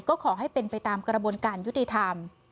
ก็ขอให้เป็นไปตามกระบวนการยุติธรรม